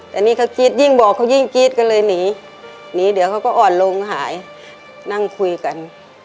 แต่นี่เขากรี๊ดยิ่งบอกเขายิ่งกรี๊ดก็เลยหนีหนีเดี๋ยวเขาก็อ่อนลงหายนั่งคุยกัน